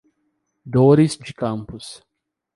Dores de Campos